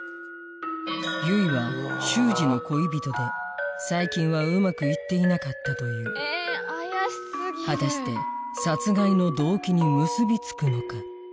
結衣は秀司の恋人で最近はうまくいっていなかったという果たして殺害の動機に結び付くのか？